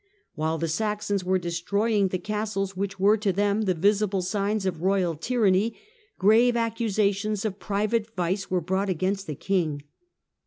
While the Saxons were destroying the castles, which were to them the visible signs of royal tyranny, grave accusations of private vice were brought against the king.